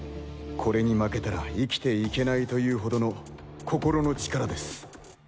これに負けたら生きていけないというほどの心の力です。